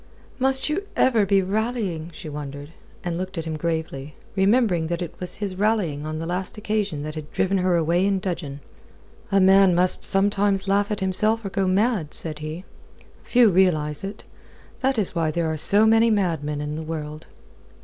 "Must you ever be rallying?" she wondered, and looked at him gravely, remembering that it was his rallying on the last occasion had driven her away in dudgeon. "A man must sometimes laugh at himself or go mad," said he. "Few realize it. That is why there are so many madmen in the world."